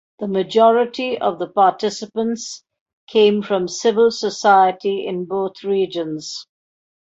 The majority of the participants came from civil society in both regions.